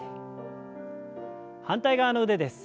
反対側の腕です。